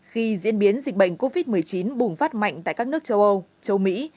khi diễn biến dịch bệnh covid một mươi chín bùng phát mạnh tại các nước châu âu châu mỹ